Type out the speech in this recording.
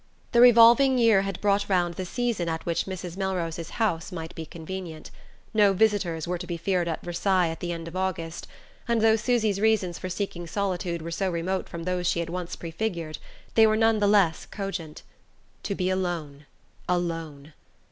The revolving year had brought around the season at which Mrs. Melrose's house might be convenient: no visitors were to be feared at Versailles at the end of August, and though Susy's reasons for seeking solitude were so remote from those she had once prefigured, they were none the less cogent. To be alone alone!